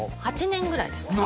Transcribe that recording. ８年ぐらいですね